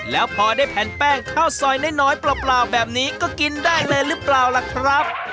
แล้วพอได้แผ่นแป้งข้าวซอยน้อยเปล่าแบบนี้ก็กินได้เลยหรือเปล่าล่ะครับ